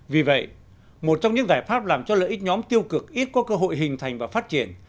vì vậy một trong những giải pháp làm cho lợi ích nhóm tiêu cực ít có cơ hội hình thành và phát triển